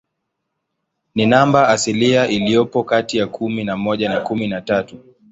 Ni namba asilia iliyopo kati ya kumi na moja na kumi na tatu.